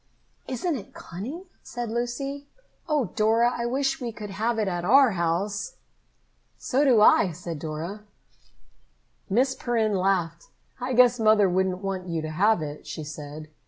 "Isn't it cunning!" said Lucy. "Oh, Dora, I wish we could have it at our house." "So do I," said Dora. Miss Perrin laughed. "I guess Mother wouldn't want you to have it," she said.